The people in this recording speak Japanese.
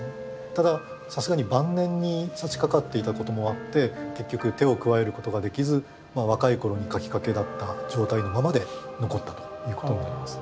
たださすがに晩年にさしかかっていたこともあって結局手を加えることができず若い頃に描きかけだった状態のままで残ったということになります。